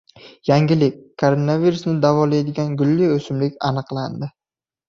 Yangilik! Koronavirusni davolaydigan gulli o‘simlik aniqlandi